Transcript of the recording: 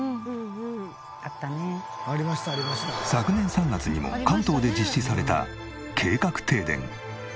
昨年３月にも関東で実施された計画停電。